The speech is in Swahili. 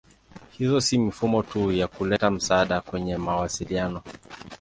Hizo si mifumo tu ya kuleta msaada kwenye mawasiliano.